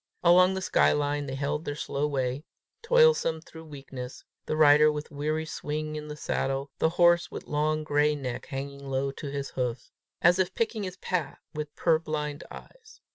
Along the sky line they held their slow way, toilsome through weakness, the rider with weary swing in the saddle, the horse with long gray neck hanging low to his hoofs, as if picking his path with purblind eyes.